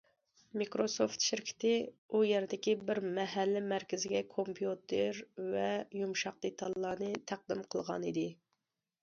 مىكروسوفت شىركىتى ئۇ يەردىكى بىر مەھەللە مەركىزىگە كومپيۇتېر ۋە يۇمشاق دېتاللارنى تەقدىم قىلغانىدى.